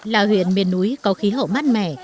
là huyện miền núi có khí hậu mát mẻ